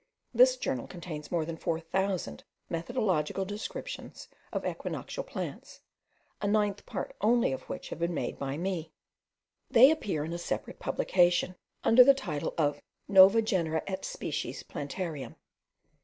This journal contains more than four thousand methodical descriptions of equinoctial plants, a ninth part only of which have been made by me. They appear in a separate publication, under the title of Nova Genera et Species Plantariem.